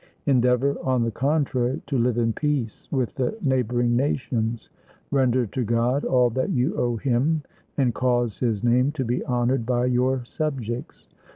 Endeavor, on the contrary, to live in peace with the neighboring nations; render to God all that you owe him, and cause his name to be honored by your subjects.